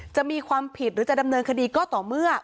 จะมีความผิดหรือจะดำเนินคดีก็ต่อเมื่อ